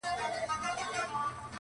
پر کنړ او کندهار یې پنجاب ګرځي!!